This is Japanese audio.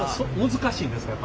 難しいんですか？